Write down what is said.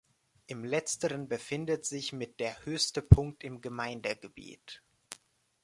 Im letzteren befindet sich mit der höchste Punkt im Gemeindegebiet.